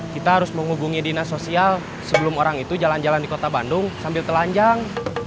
kita harus menghubungi dinas sosial sebelum orang itu jalan jalan di kota bandung sambil telanjang